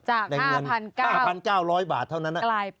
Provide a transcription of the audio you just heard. จาก๕๙๐๐กลายเป็นแสนในเงิน๕๙๐๐บาทเท่านั้นนะ